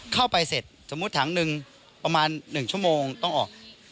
เข้าไปเสร็จสมมุติถังหนึ่งประมาณ๑ชั่วโมงต้องออก